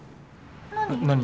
何？